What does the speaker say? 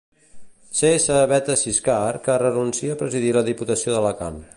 Cs veta Ciscar, que renuncia presidir la Diputació d'Alacant.